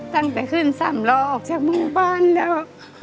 ตั้งแต่ขึ้น๓รอบออกจากหมู่บ้านแล้ว